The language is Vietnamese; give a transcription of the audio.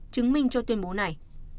chứng minh cho tuyên bố này